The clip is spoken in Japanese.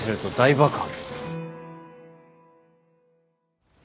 爆発。